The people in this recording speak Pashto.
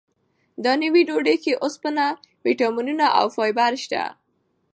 دا نوې ډوډۍ کې اوسپنه، ویټامینونه او فایبر شته.